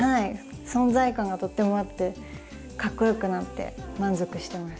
存在感がとってもあってかっこよくなって満足してます。